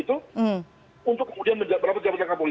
untuk kemudian menjabat jabat kapolri